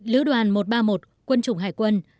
lữ đoàn một trăm ba mươi một quân chủng hải quân